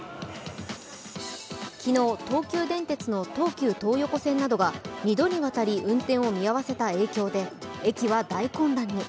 昨日、東急電鉄の東急東横線などが２度にわたり運転を見合わせた影響で駅は大混乱に。